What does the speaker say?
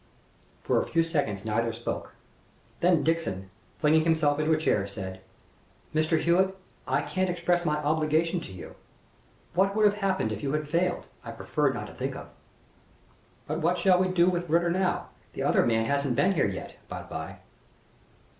For a few seconds neither spoke. Then Dixon, flinging himself into a chair, said: "Mr. Hewitt, I can't express my obligation to you. What would have happened if you had failed, I prefer not to think of. But what shall we do with Ritter now? The other man hasn't been here yet, by the by."